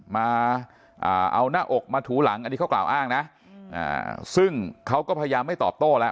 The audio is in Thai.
มาเอาหน้าอกมาถูหลังอันนี้เขากล่าวอ้างนะซึ่งเขาก็พยายามไม่ตอบโต้แล้ว